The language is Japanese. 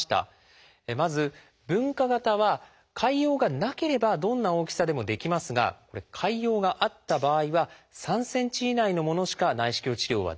まず分化型は潰瘍がなければどんな大きさでもできますが潰瘍があった場合は３ｃｍ以内のものしか内視鏡治療はできません。